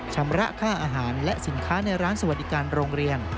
ชำระค่าอาหารและสินค้าในร้านสวัสดิการโรงเรียน